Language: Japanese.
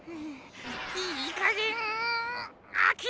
いいかげんあきらめろ！